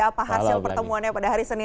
apa hasil pertemuannya pada hari senin